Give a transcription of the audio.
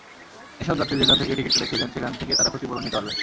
এসব যাত্রী যেখান থেকে টিকিট কেটেছিলেন, সেখান থেকে তাঁরা ক্ষতিপূরণ নিতে পারবেন।